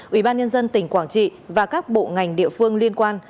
ủy ban nhân dân tỉnh quảng trị và các bộ ngành địa phương liên quan